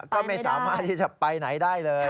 ก็ไม่สามารถที่จะไปไหนได้เลย